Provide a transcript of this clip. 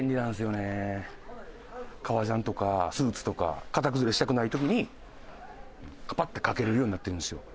革ジャンとかスーツとか形崩れしたくない時にカパッて掛けられるようになってるんですよ。